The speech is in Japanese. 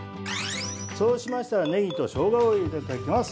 そうしましたら、ねぎとしょうがを入れていきます。